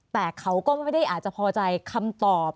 แต่เขาก็ไม่ได้อาจจะพอใจคำตอบ